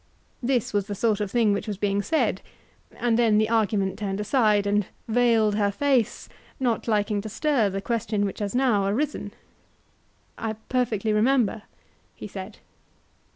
This was the sort of thing which was being said, and then the argument turned aside and veiled her face; not liking to stir the question which has now arisen. I perfectly remember, he said.